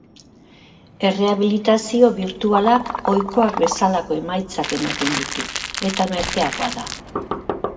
Errehabilitazio birtualak ohikoak bezalako emaitzak ematen ditu, eta merkeagoa da.